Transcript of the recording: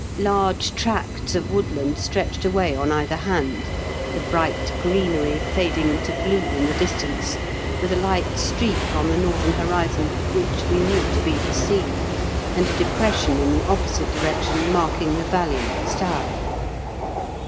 Large tracts of woodland stretched away on either hand, the bright greenery fading into blue in the distance, with a light streak on the northern horizon, which we knew to be the sea, and a depression in the opposite direction marking the valley of the Stour.